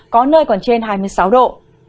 có nơi còn trên hai mươi sáu độ